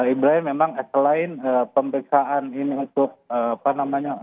ibrahim memang selain pemeriksaan ini untuk apa namanya